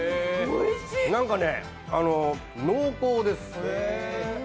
なんかね、濃厚です。